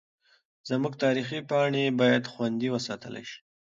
زموږ تاریخي پاڼې باید خوندي وساتل سي.